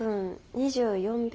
２４秒。